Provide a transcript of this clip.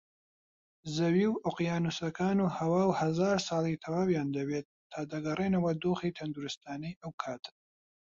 زەوی و ئۆقیانووسەکان و هەوا هەزار ساڵی تەواویان دەوێت تا دەگەڕێنەوە دۆخی تەندروستانەی ئەوکاتە